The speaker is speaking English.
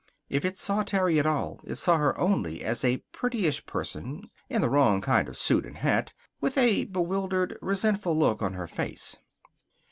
If it saw Terry at all it saw her only as a prettyish person, in the wrong kind of suit and hat, with a bewildered, resentful look on her face.